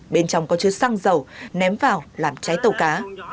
bên trong có chứa xăng dầu ném vào làm cháy tàu cá